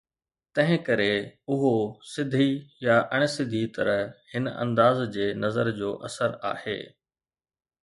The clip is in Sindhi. تنهن ڪري اهو سڌي يا اڻ سڌي طرح هن انداز جي نظر جو اثر آهي.